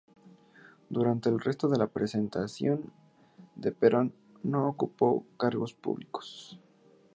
Durante el resto de la presidencia de Perón no ocupó cargos públicos.